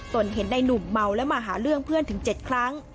นเห็นในหนุ่มเมาและมาหาเรื่องเพื่อนถึง๗ครั้ง